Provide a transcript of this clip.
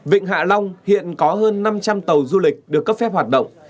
vịnh hạ long hiện có hơn năm trăm linh tàu du lịch được cấp phép hoạt động